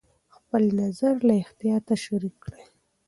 خپل نظر له احتیاطه شریک کړه.